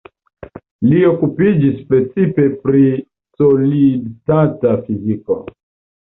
Li okupiĝis precipe pri solid-stata fiziko.